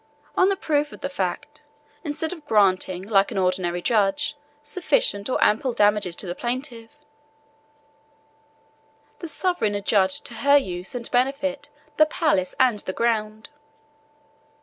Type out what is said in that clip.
On the proof of the fact, instead of granting, like an ordinary judge, sufficient or ample damages to the plaintiff, the sovereign adjudged to her use and benefit the palace and the ground.